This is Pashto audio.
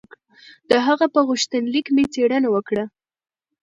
د هغه په غوښتنلیک مې څېړنه وکړه.